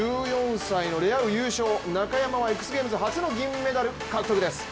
１４歳のレアウ優勝、中山はＸＧＡＭＥＳ初の銀メダル獲得です。